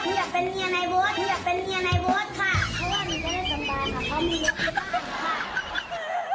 เพราะว่าหนูจะได้สำบายค่ะเพราะมีรถขันมากค่ะ